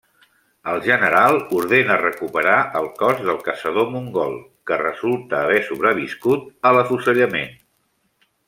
El general ordena recuperar el cos del caçador mongol, que resulta haver sobreviscut a l'afusellament.